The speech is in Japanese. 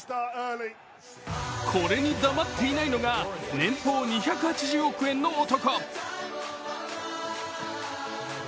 これに黙っていないのが年俸２８０億円の男。